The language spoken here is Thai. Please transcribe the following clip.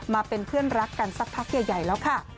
มาเป็นเพื่อนรักกันสักพักใหญ่แล้วค่ะ